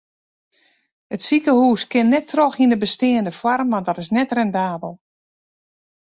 It sikehûs kin net troch yn de besteande foarm want dat is net rendabel.